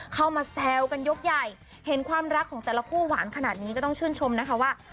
เข้ามาแซวกันยกใหญ่เห็นความรักของแต่ละคู่หวานขนาดนี้ก็ต้องชื่นชมนะคะว่า